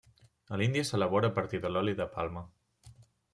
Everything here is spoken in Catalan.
A l'Índia s'elabora a partir de l'oli de palma.